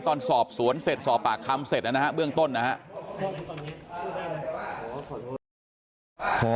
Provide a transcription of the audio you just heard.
ตอนสอบสวนเสร็จสอบปากคำเสร็จนะครับเบื้องต้นนะครับ